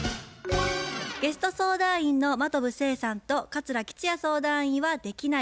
ゲスト相談員の真飛聖さんと桂吉弥相談員は「できない」